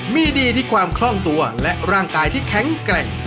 มีดีที่ความคล่องตัวและร่างกายที่แข็งแกร่ง